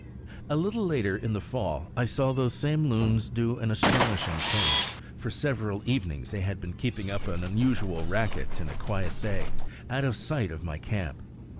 A little later in the fall I saw those same loons do an astonishing thing. For several evenings they had been keeping up an unusual racket in a quiet bay, out of sight of my camp.